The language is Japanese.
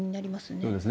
そうですね。